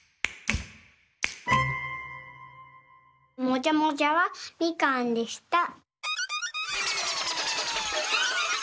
もじゃもじゃはみかんでした。